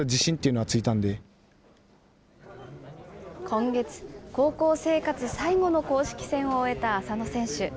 今月、高校生活最後の公式戦を終えた浅野選手。